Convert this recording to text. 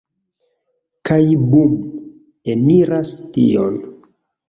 Kaj bum! Eniras tion.